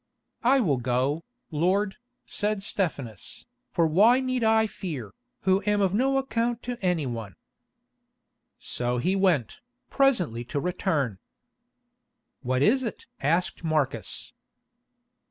"I will go, lord," said Stephanus, "for why need I fear, who am of no account to any one?" So he went, presently to return. "What was it?" asked Marcus.